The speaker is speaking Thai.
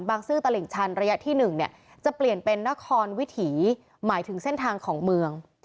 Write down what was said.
ซื่อตลิ่งชันระยะที่๑เนี่ยจะเปลี่ยนเป็นนครวิถีหมายถึงเส้นทางของเมือง